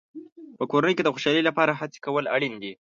په کورنۍ کې د خوشحالۍ لپاره هڅې کول اړینې دي.